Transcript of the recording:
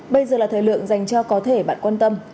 bây giờ là thời lượng dành cho có thể bạn quan tâm